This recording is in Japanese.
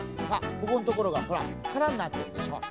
ここのところがほらからになってるでしょ？ね。